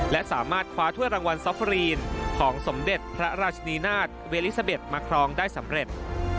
และสามารถคว้าถ้วยรางวัลซอฟฟรีนของสมเด็จพระราชนีนาฏเวลิซาเบ็ดมาครองได้สำเร็จ